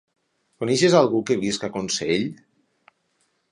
Coneixes algú que visqui a Consell?